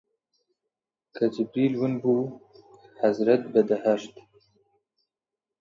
کە جیبریل ون بوو، حەزرەت بە دەهشەت